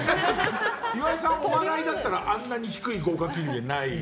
岩井さん、お笑いだったらあんなに低い合格基準じゃない。